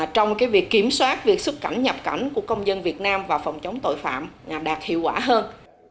trong việc kiểm soát việc xuất cảnh nhập cảnh của công dân việt nam và phòng chống tội phạm đạt hiệu quả hơn